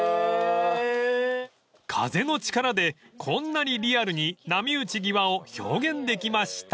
［風の力でこんなにリアルに波打ち際を表現できました］